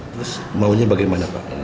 terus maunya bagaimana pak